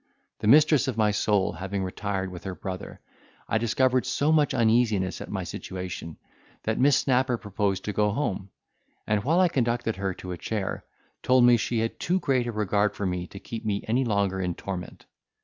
The mistress of my soul having retired with her brother, I discovered so much uneasiness at my situation, that Miss Snapper proposed to go home; and, while I conducted her to a chair, told me she had too great a regard for me to keep me any longer in torment.